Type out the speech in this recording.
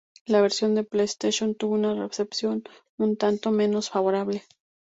La versión de PlayStation tuvo una recepción un tanto menos favorable.